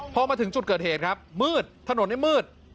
พอมาถึงจุดเกิดเหตุครับมืดถนนนี้มืด